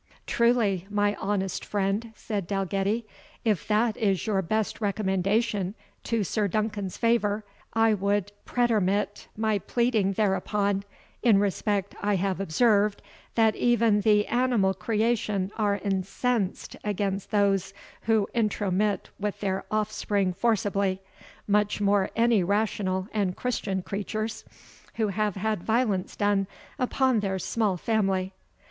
"Truly, my honest friend," said Dalgetty, "if that is your best recommendation to Sir Duncan's favour, I would pretermit my pleading thereupon, in respect I have observed that even the animal creation are incensed against those who intromit with their offspring forcibly, much more any rational and Christian creatures, who have had violence done upon their small family.